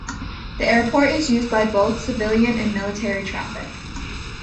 The airport is used by both civilian and military traffic.